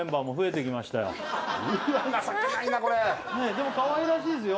でもかわいらしいですよ。